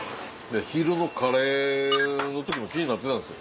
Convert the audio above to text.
昼のカレーの時も気になってたんです。